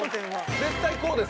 絶対こうです。